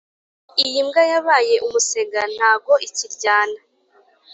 Iyimbwa yabaye umusega ntago ikiryana